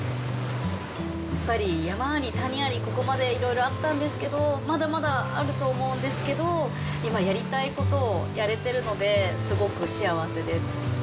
やっぱり山あり谷あり、ここまでいろいろあったんですけど、まだまだあると思うんですけど、今やりたいことをやれているので、すごく幸せです。